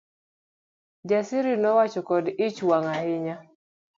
Kijasiri nowacho kod ich wang ahinya.